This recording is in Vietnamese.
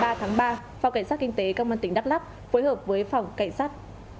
phòng cảnh sát kinh tế công an tỉnh đắk lắk phối hợp với phòng cảnh sát